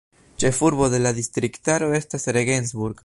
Ĉefurbo de la distriktaro estas Regensburg.